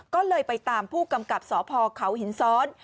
ก็เลยไปตามผู้กำกับสพเขาหินซ้อน